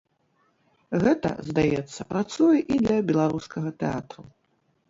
Гэта, здаецца, працуе і для беларускага тэатру.